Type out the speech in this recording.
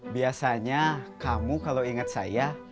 biasanya kamu kalau ingat saya